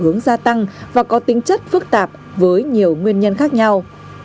hướng gia tăng và có tính chất phức tạp với nhiều nguyên nhân khác nhau